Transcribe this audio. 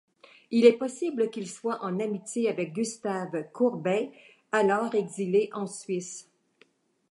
Il est possible qu'il soit en amitié avec Gustave Courbet, alors exilé en Suisse.